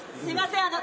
すみません